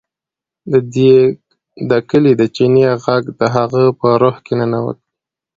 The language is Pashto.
د کلي د چینې غږ د هغه په روح کې ننوت